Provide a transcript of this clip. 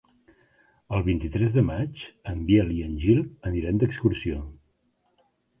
El vint-i-tres de maig en Biel i en Gil aniran d'excursió.